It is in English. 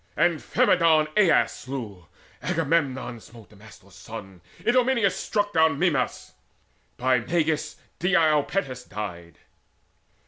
Amphimedon Aias slew: Agamemnon smote Damastor's son: Idomeneus struck down Mimas: by Meges Deiopites died.